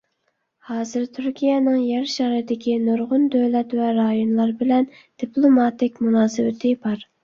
ھازىر تۈركىيەنىڭ يەر شارىدىكى نۇرغۇن دۆلەت ۋە رايونلار بىلەن دىپلوماتىك مۇناسىۋىتى بار.